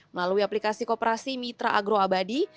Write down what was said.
melalui aplikasi koperasi mitra agroabadi